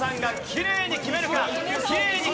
きれいに決めるか？